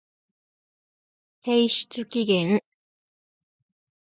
提出期限